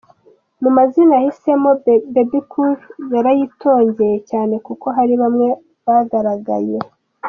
Mu mazina yahisemo, Bebe Cool yarayitongeye cyane kuko hari bamwe bagaragaye.